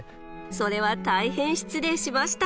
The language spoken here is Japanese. それは大変失礼しました。